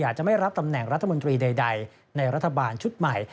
อาจจะไม่รับตำแหน่งรัฐมนตรีใดในรัฐบาลชุดใหม่